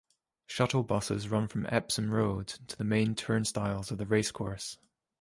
Shuttle buses run from Epsom Road to the main turnstiles of the racecourse.